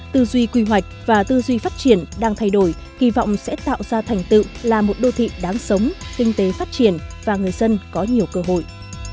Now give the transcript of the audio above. tư duy quy hoạch và tư duy phát triển đang thay đổi kỳ vọng sẽ tạo ra thành tựu là một đô thị đáng sống kinh tế phát triển và người dân có nhiều cơ hội